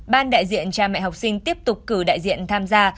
ban đại diện cha mẹ học sinh tiếp tục cử đại diện tham gia